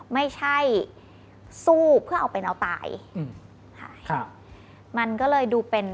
ไม่ใช่สู้เพื่อเอาเป็นเอาตาย